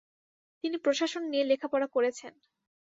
তিনি প্রশাসন নিয়ে লেখাপড়া করেছেন।